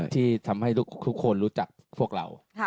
ที่ทำให้ทุกคนรู้จักพวกเรา